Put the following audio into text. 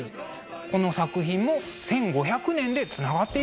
この作品も１５００年でつながっているんですね。